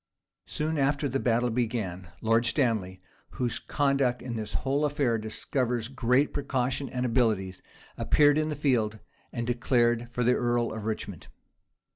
Soon after the battle began, Lord Stanley, whose conduct in this whole affair discovers great precaution and abilities, appeared in the field, and declared for the earl of Richmond.